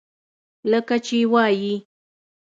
لکه چې وائي ۔